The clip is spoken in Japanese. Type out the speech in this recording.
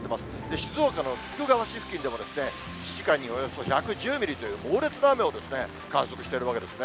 静岡の菊川市付近でも１時間におよそ１１０ミリという猛烈な雨を観測しているわけですね。